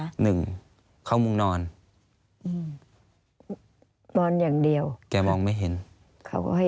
อันดับ๖๓๕จัดใช้วิจิตร